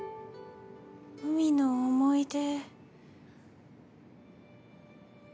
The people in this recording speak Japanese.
海の思い出。